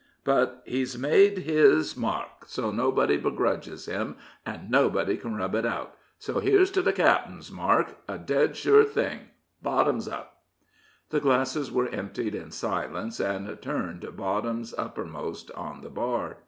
But he's made his mark, so nobody begrudges him, an' nobody can rub it out. So here's to 'the cap'en's mark, a dead sure thing.' Bottoms up." The glasses were emptied in silence, and turned bottoms uppermost on the bar.